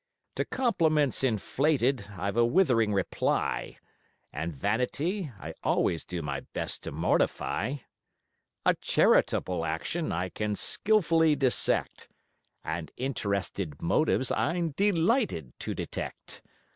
To compliments inflated I've a withering reply; And vanity I always do my best to mortify; A charitable action I can skilfully dissect: And interested motives I'm delighted to detect.